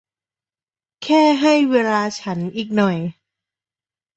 แค่ให้เวลาฉันอีกหน่อย